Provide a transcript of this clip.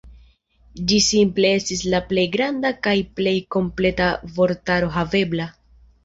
Ĝi simple estis la plej granda kaj plej kompleta vortaro havebla.